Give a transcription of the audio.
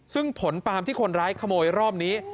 ซึ่งผลปาล์มที่คนร้ายขโมยรอบนี้